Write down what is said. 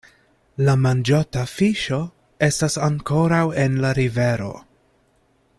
La manĝota fiŝo estas ankoraŭ en la rivero.